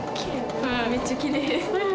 めっちゃきれい。